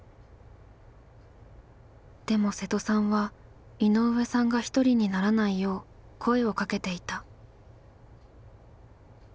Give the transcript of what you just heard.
でも瀬戸さんは井上さんが一人にならないよう声をかけていた。